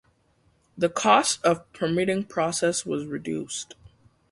The cost of permitting process was reduced.